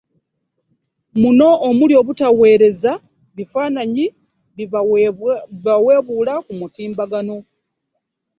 Muno omuli obutaweereza bifaananyi bibaweebuula ku Mitimbagano